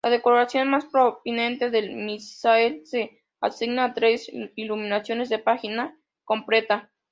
La decoración más prominente del misal se asigna a tres iluminaciones de página completa.